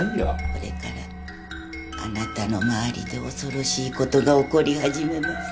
これからあなたの周りで恐ろしい事が起こり始めます。